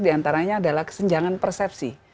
diantaranya adalah kesenjangan persepsi